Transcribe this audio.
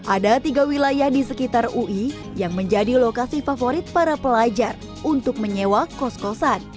ada tiga wilayah di sekitar ui yang menjadi lokasi favorit para pelajar untuk menyewa kos kosan